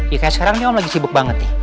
ya kayak sekarang nih orang lagi sibuk banget nih